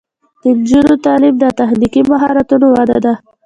د نجونو تعلیم د تخنیکي مهارتونو وده ده.